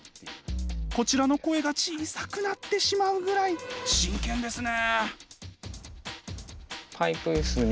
こちらの声が小さくなってしまうぐらい真剣ですね。